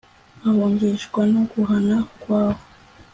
Ahungishwa no guhana kwawe